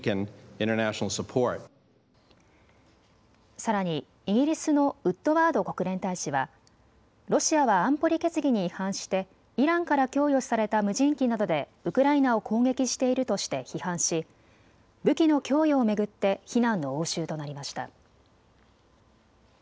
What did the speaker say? さらにイギリスのウッドワード国連大使はロシアは安保理決議に違反してイランから供与された無人機などでウクライナを攻撃しているとして批判し武器の供与を巡って非難の応酬となりました。